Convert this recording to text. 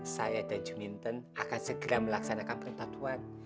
saya dan juminten akan segera melaksanakan perintah tuhan